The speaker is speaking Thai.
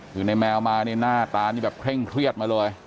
คือในแมวมาเนี่ยหน้าตานี่แบบเคร่งเครียดมาเลย